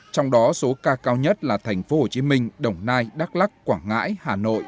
trong đó số ca cao nhất là thành phố hồ chí minh đồng nai đắk lắc quảng ngãi hà nội